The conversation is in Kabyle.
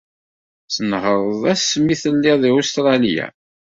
Tnehreḍ ass mi telliḍ deg Ustralya?